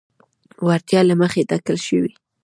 وړتیا له مخې ټاکل شوي.